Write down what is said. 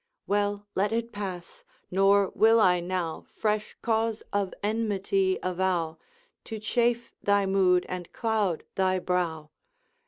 'Well, let it pass; nor will I now Fresh cause of enmity avow To chafe thy mood and cloud thy brow.